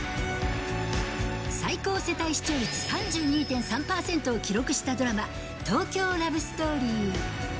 最高世帯視聴率３２．３％を記録したドラマ、東京ラブストーリー。